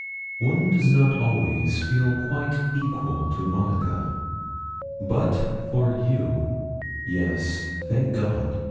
'One does not always feel quite equal to Monica. But for you yes, thank God.